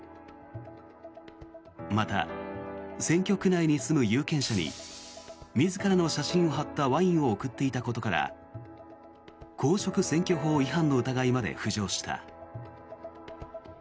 また選挙区内に住む有権者に自らの写真を貼ったワインを贈っていたことから公職選挙法違反の疑いまで浮上した。